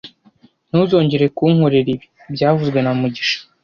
Ntuzongere kunkorera ibi byavuzwe na mugisha